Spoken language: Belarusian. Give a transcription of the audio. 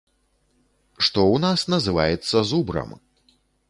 Што у нас называецца зубрам!